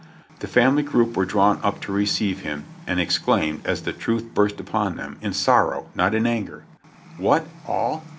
The family group were drawn up to receive him, and exclaimed, as the truth burst upon them — in sorrow, not in anger : "What, all